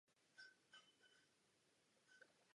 Nástupcem byl jmenován doktor Roman Kraus.